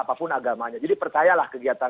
apapun agamanya jadi percayalah kegiatan